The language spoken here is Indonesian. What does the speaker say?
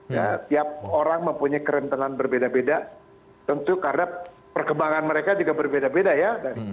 ya tiap orang mempunyai kerentengan berbeda beda tentu karena perkembangan mereka juga berbeda beda ya